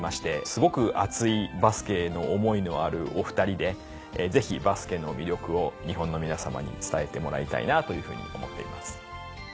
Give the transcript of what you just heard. すごく熱いバスケの思いのあるお２人でぜひバスケの魅力を日本の皆さまに伝えてもらいたいなというふうに思っています。